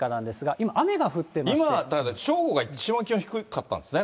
今は正午が一番気温低かったんですね。